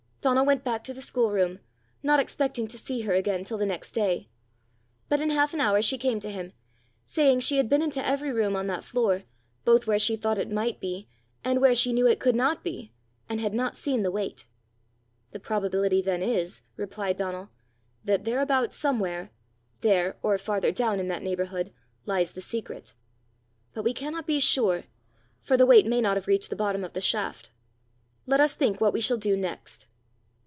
Donal went back to the schoolroom, not expecting to see her again till the next day. But in half an hour she came to him, saying she had been into every room on that floor, both where she thought it might be, and where she knew it could not be, and had not seen the weight. "The probability then is," replied Donal, "that thereabout somewhere there, or farther down in that neighbourhood lies the secret; but we cannot be sure, for the weight may not have reached the bottom of the shaft. Let us think what we shall do next."